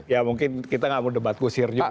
ya mungkin kita nggak mau debat kusir juga